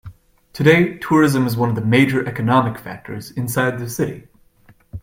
Today, tourism is one of the major economic factors inside the city.